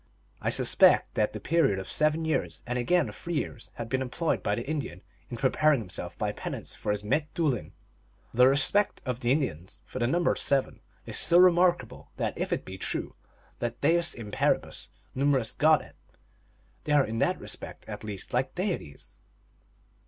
I suspect that the period of seven years, and again of three years, had been employed by the Indian in preparing himself by penance for m tSoulin. The respect of the Indians for the number seven is so TALES OF MAGIC. 377 remarkable, that if it be true that Deus imparibus numeris gaudet, they are in that respect, at least, like deities.